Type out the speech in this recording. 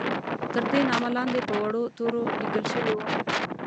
تر دې نامه لاندې په وړو تورو لیکل شوي وو.